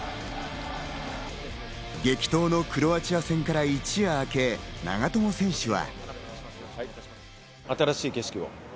激闘のクロアチア戦から一夜明け、長友選手は。